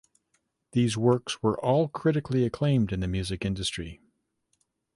These works were all critically acclaimed in the music industry.